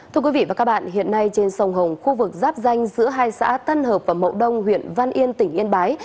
thưa quý vị và các bạn hiện nay trên sông hồng khu vực giáp danh giữa hai xã tân hợp và mậu đông huyện văn yên tỉnh yên bái